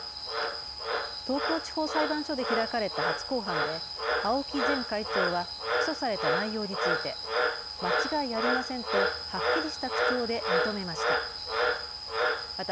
東京地方裁判所で開かれた初公判で青木前会長は起訴された内容について間違いありませんとはっきりした口調で認めました。